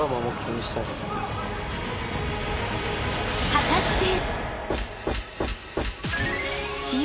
［果たして！？］